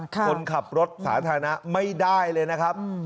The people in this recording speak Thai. คนขับรถสาธารณะไม่ได้เลยนะครับ